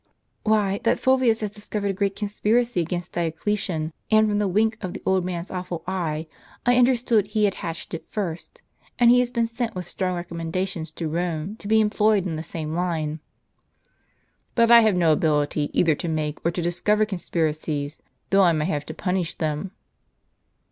" "Why, that Fulvius had discovered a great conspiracy against Dioclesian ; and from the wink of the old man's awful eye, I understood he had hatched it first ; and he has been sent with strong recommendations to Rome to be employed in the same line." " But I have no ability either to make or to discover con spiracies, though I may have to punish them."